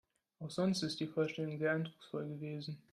Auch sonst ist die Vorstellung sehr eindrucksvoll gewesen.